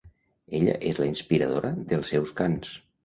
Ella és la inspiradora dels seus cants.